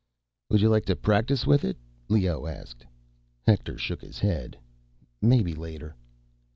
"Would you like to practice with it?" Leoh asked. Hector shook his head. "Maybe later."